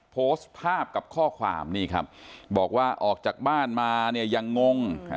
โพสต์ภาพกับข้อความนี่ครับบอกว่าออกจากบ้านมาเนี่ยยังงง